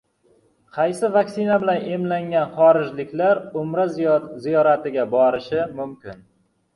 Qaysi vaksina bilan emlangan xorijliklar Umra ziyoratiga borishi mumkin